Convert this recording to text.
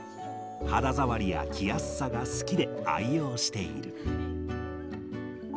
肌触りや着やすさが好きで、愛用している。